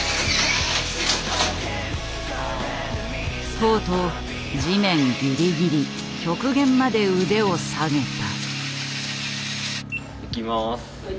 とうとう地面ギリギリ極限まで腕を下げた。